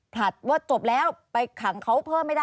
ถัดว่าจบแล้วไปขังเขาเพิ่มไม่ได้